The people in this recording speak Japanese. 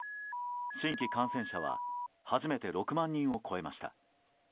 新規感染者は初めて６万人を超えました。